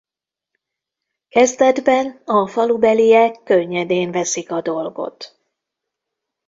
Kezdetben a falubeliek könnyedén veszik a dolgot.